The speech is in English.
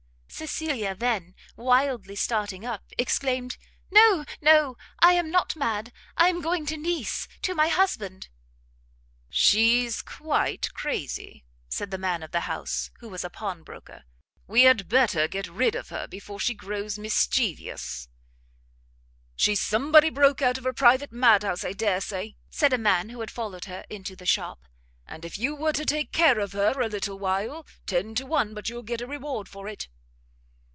Cecilia then, wildly starting up, exclaimed, "No, no, I am not mad, I am going to Nice to my husband." "She's quite crazy," said the man of the house, who was a Pawn Broker; "we had better get rid of her before she grows mischievous " "She's somebody broke out from a private mad house, I dare say," said a man who had followed her into the shop; "and if you were to take care of her a little while, ten to one but you'll get a reward for it."